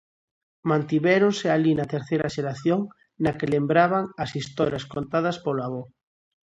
Mantivéronse alí na terceira xeración, na que lembraban as historias contadas polo avó.